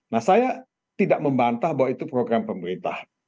nah saya tidak membantah bahwa itu program pemerintah